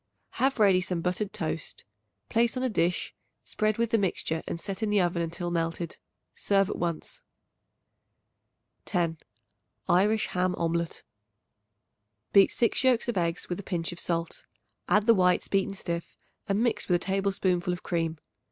Have ready some buttered toast; place on a dish, spread with the mixture and set in the oven until melted. Serve at once. 10. Irish Ham Omelet. Beat 6 yolks of eggs with a pinch of salt; add the whites beaten stiff and mix with a tablespoonful of cream.